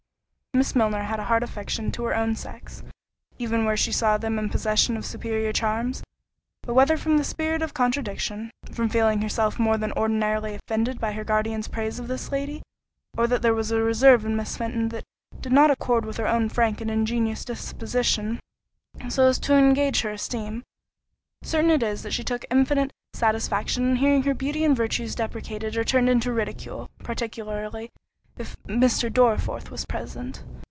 Miss Milner had a heart affectionate to her own sex, even where she saw them in possession of superior charms; but whether from the spirit of contradiction, from feeling herself more than ordinarily offended by her guardian's praise of this lady, or that there was a reserve in Miss Fenton that did not accord with her own frank and ingenuous disposition, so as to engage her esteem, certain it is that she took infinite satisfaction in hearing her beauty and virtues depreciated or turned into ridicule, particularly if Mr. Dorriforth was present.